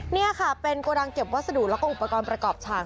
นี่ค่ะเป็นโกดังเก็บวัสดุแล้วก็อุปกรณ์ประกอบฉาก